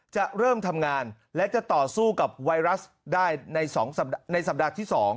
จะเริ่มทำงานและจะต่อสู้กับไวรัสได้ในสัปดาห์ที่๒